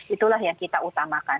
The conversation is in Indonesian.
itulah yang kita utamakan